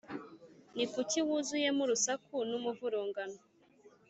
Ni kuki wuzuyemo urusaku n’umuvurungano,